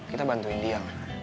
kita bantuin dia